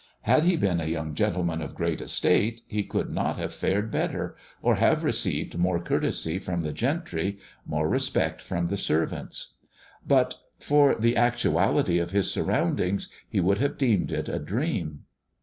Had he been a young gentleman of great estate ha could not have fared better, or have received more courtesy from the gentry, more respect from the servants. But for the actuality of his surroundings he would have deemed it a dream.